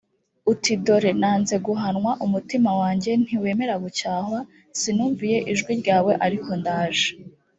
uti dore nanze guhanwa umutima wanjye ntiwemera gucyahwa sinumviye ijwi ryawe ariko ndaje